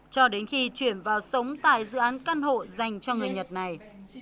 cho đến khi chuyển vào sống tại dự án căn hộ dành cho người nhật này